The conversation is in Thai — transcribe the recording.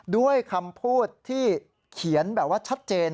ด้วยคำพูดที่เขียนแบบว่าชัดเจน